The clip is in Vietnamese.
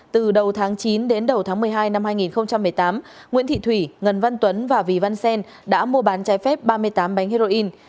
từ đầu tháng chín đến đầu tháng một mươi hai năm hai nghìn một mươi tám nguyễn thị thủy ngân văn tuấn và vì văn xen đã mua bán trái phép ba mươi tám bánh heroin